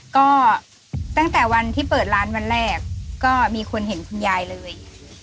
ก็ตั้งแต่วันที่เปิดร้านวันแรกก็มีคนเห็นคุณยายเลย